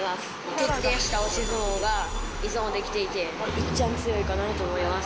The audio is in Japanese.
徹底した押し相撲が、いつもできていて、いっちゃん強いかなと思います。